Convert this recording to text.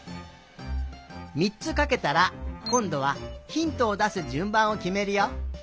３つかけたらこんどはひんとをだすじゅんばんをきめるよ。